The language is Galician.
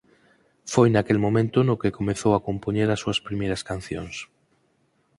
Foi naquel momento no que comezou a compoñer as súas primeiras cancións.